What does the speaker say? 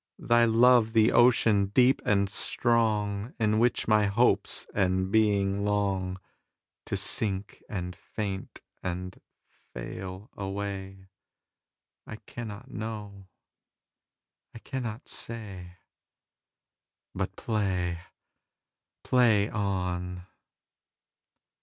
Thy love the ocean, deep and strong, In which my hopes and being longTo sink and faint and fail away?I cannot know. I cannot say. But play, play on.